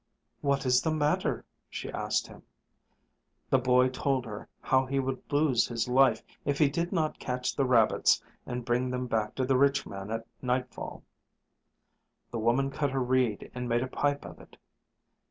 "What is the matter?" she asked him. The boy told her how he would lose his life if he did not catch the rabbits and bring them back to the rich man at nightfall. The woman cut a reed and made a pipe of it.